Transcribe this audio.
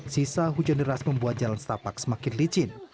sisa hujan deras membuat jalan setapak semakin licin